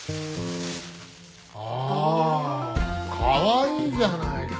あかわいいじゃないか。